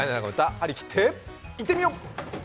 張り切っていってみよう！